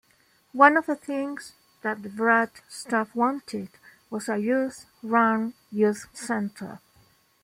One of the things that the Brat staff wanted was a youth-run youth center.